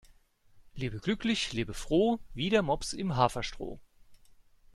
Lebe glücklich lebe froh, wie der Mops im Haferstroh.